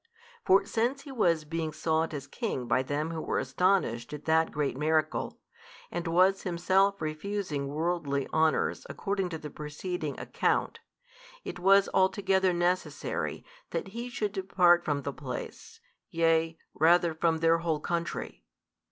For since He was being sought as King by them who were astonished at that great miracle, and was Himself refusing worldly honours according to the preceding account; it was altogether necessary that He should depart from the place, yea, rather from their whole country.